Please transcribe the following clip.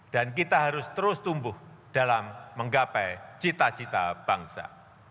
dan kita harus terus tumbuh dalam menggapai cita cita bangsa